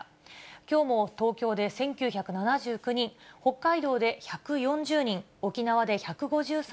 きょうも東京で１９７９人、北海道で１４０人、沖縄で１５３